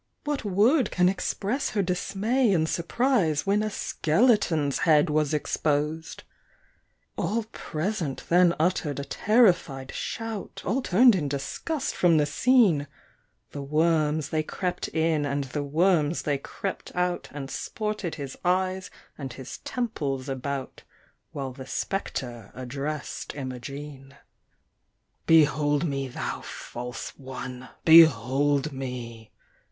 What word can express her dismay and surprise, When a skeleton's head was exposed. All present then uttered a terrified shout, All turned in disgust from the scene; The worms they crept in, and the worms they crept out, And sported his eyes and his temples about, While the spectre addressed Imogene. "Behold me, thou false one behold me!"